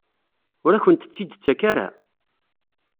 Ur akent-tt-id-tettak ara?